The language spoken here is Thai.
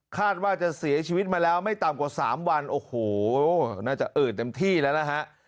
คาดว่าจะเสียชีวิตมาแล้วไม่ต่ำกว่า๓วันโอ้โหน่าจะอืดเต็มที่แล้วนะฮะ